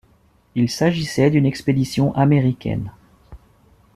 Il s'agissait d'une expédition américaine.